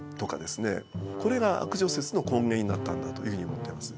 これが悪女説の根源になったんだというふうに思ってます。